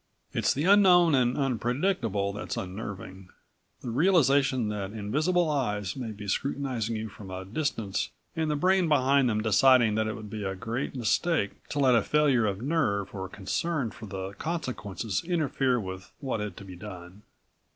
It's the unknown and unpredictable that's unnerving, the realization that invisible eyes may be scrutinizing you from a distance and the brain behind them deciding that it would be a great mistake to let a failure of nerve or concern for the consequences interfere with what had to be done.